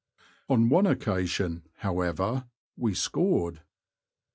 On one occasion, however, we scored.